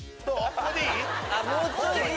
これでいい？